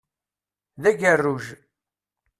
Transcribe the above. D agerruj.